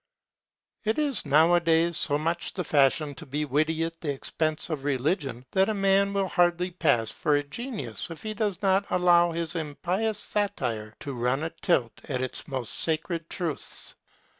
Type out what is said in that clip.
It is nowadays so much the fashion to be witty at the expense of religion that a man will hardly pass for a genius if he does not allow his impious satire to run a tilt at its most sacred truths.